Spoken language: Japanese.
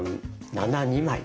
「７」２枚！